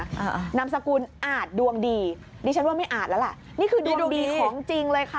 นามสกุลอาจดวงดีดิฉันว่าไม่อาจแล้วล่ะนี่คือดวงดีของจริงเลยค่ะ